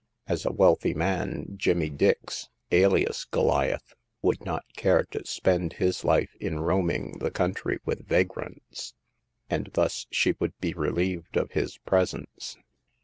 As a wealthy 18 274 Hagar of the Pawn Shop. ' man, Jimmy Dix, alias Goliath, would not care to spend his life in roaming the country with vagrants ; and thus she would be relieved of his presence.